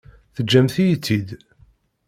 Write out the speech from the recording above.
Teǧǧamt-iyi-tt-id.